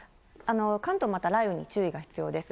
関東、また雷雨に注意が必要です。